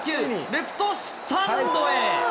レフトスタンドへ。